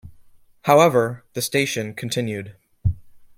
However, the station continued.